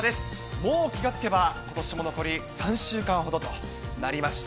もう気がつけば、ことしも残り３週間ほどとなりました。